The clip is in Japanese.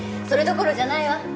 それどころじゃないわ。